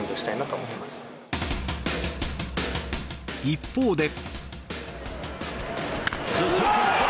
一方で。